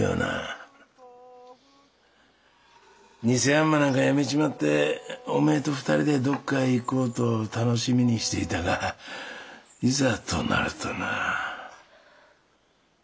偽あんまなんかやめちまってお前と２人でどっかへ行こうと楽しみにしていたがいざとなるとな。